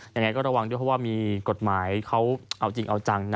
ยังไงก็ระวังด้วยเพราะว่ามีกฎหมายเขาเอาจริงเอาจังนะ